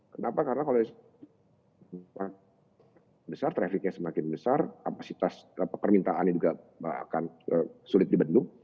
kenapa karena kalau trafficnya semakin besar kapasitas permintaan ini juga akan sulit dibentuk